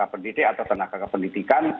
atau tenaga pendidikan